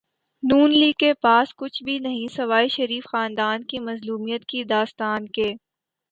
ن لیگ کے پاس کچھ بھی نہیں سوائے شریف خاندان کی مظلومیت کی داستان کے۔